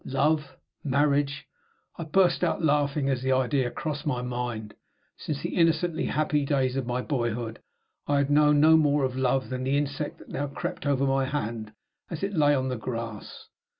Love? Marriage? I burst out laughing as the idea crossed my mind. Since the innocently happy days of my boyhood I had known no more of love than the insect that now crept over my hand as it lay on the grass.